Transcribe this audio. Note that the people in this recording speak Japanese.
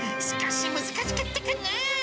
少し難しかったかなぁ。